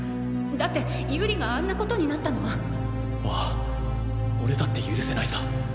だってゆりがあんなことになったのはああ俺だって許せないさ